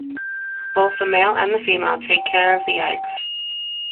Both the male and the female take care of the eggs.